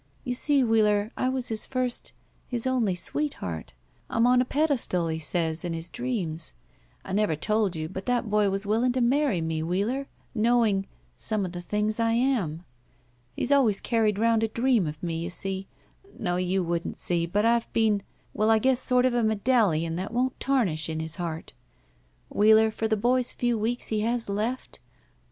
You see, Wheeler, I was his first — his only sweetheart. I'm on a pedestal, he says, in his dreams. I never told you — ^but that boy was willing to marry me, Wheeler, knowing — some — of the things I am. He's always carried rotmd a dream of me, you see — no, you wouldn't see, but I've been — well, I guess sort of a medallion that won't tarnish in his heart. Wheeler, for the boy's few weeks he has left?